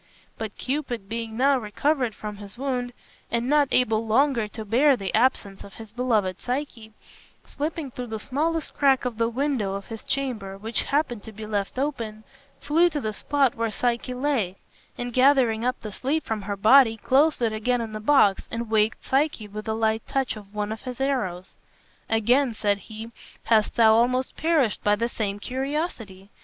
But Cupid, being now recovered from his wound, and not able longer to bear the absence of his beloved Psyche, slipping through the smallest crack of the window of his chamber which happened to be left open, flew to the spot where Psyche lay, and gathering up the sleep from her body closed it again in the box, and waked Psyche with a light touch of one of his arrows. "Again," said he, "hast thou almost perished by the same curiosity.